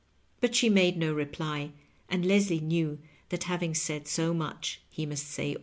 But she made no reply, and Leslie knew that having said so much he must say aU.